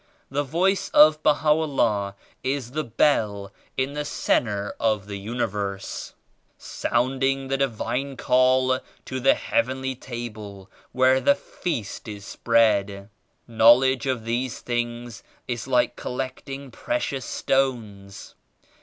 The Voice of Baha'u'llah is a Bell in the centre of the Universe, sounding the Di vine Call to the Heavenly Table where the Feast 100 is spread. Knowledge of these things is like col lecting precious stones.